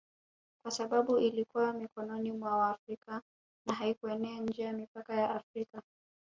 kwa sababu ilikuwa mikononi mwa Waafrika na haikuenea nje ya mipaka ya Afrika